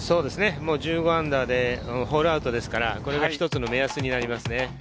−１５でホールアウトですから、これが一つの目安になりますね。